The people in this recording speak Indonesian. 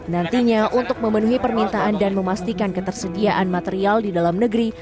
nantinya untuk memenuhi permintaan dan memastikan ketersediaan material di dalam negeri